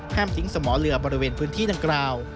ทิ้งสมอเรือบริเวณพื้นที่ดังกล่าว